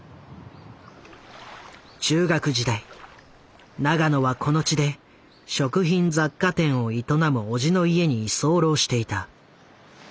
中学時代永野はこの地で食品雑貨店を営む叔父の家に居候していた。